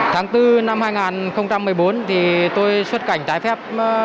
tháng bốn năm hai nghìn một mươi bốn tôi xuất cảnh trái phép